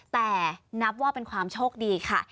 แต่นับว่าเป็นความโชคดีค่ะ